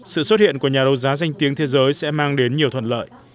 sự xuất hiện của nhà đấu giá danh tiếng thế giới sẽ mang đến nhiều thuận lợi